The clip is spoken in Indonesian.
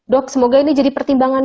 dok semoga ini jadi pertimbangan